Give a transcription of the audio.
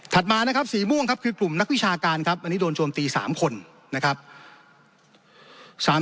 มานะครับสีม่วงครับคือกลุ่มนักวิชาการครับอันนี้โดนโจมตี๓คนนะครับ